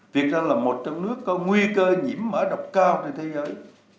việc ra là một trong nước có nguy cơ nhiễm mở độc cao trên thế giới